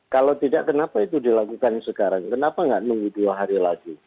kalau tidak kenapa itu dilakukan sekarang kenapa nggak nunggu dua hari lagi